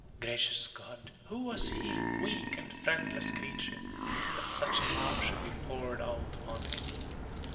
Gracious God, who was he, weak and friendless creature, that such a love should be poured out upon him?